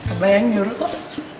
apa yang nyuruh toh